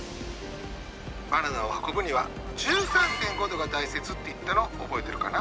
バナナを運ぶには１３．５度が大切って言ったの覚えてるかな？